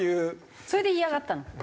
それで嫌がったの？